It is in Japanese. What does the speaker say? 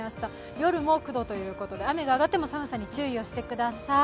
夜も９度ということで、雨が上がっても寒さに注意してください。